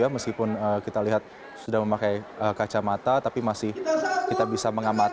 meskipun kita lihat sudah memakai kacamata tapi masih kita bisa mengamati